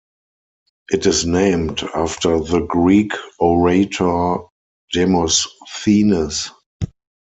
It is named after the Greek orator Demosthenes.